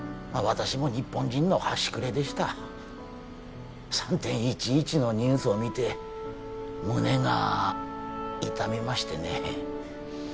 私も日本人の端くれでした３．１１のニュースを見て胸が痛みましてね